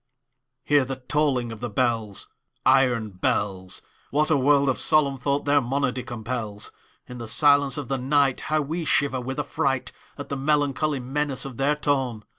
Hear the tolling of the bells, Iron bells! What a world of solemn thought their monody compels! In the silence of the nightHow we shiver with affrightAt the melancholy menace of their tone!